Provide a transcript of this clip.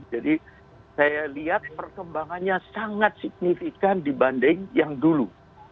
jadi saya lihat perkembangannya sangat signifikan dibanding yang dulu